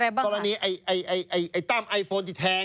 ในกรณีตามไอโฟนที่แทง